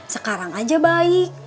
sekarang aja baik